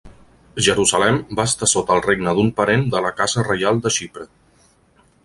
Jerusalem va estar sota el regne d'un parent de la casa reial de Xipre.